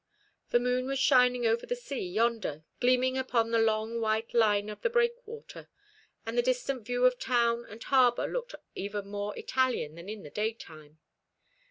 The moon was shining over the sea yonder, gleaming upon the long white line of the breakwater; and the distant view of town and harbour looked even more Italian than in the daytime.